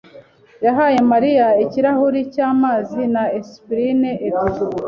yahaye Mariya ikirahuri cy'amazi na aspirine ebyiri.